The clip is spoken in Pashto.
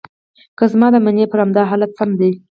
که زما دا منې، پر همدې حالت سم دي.